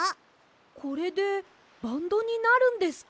これでバンドになるんですか？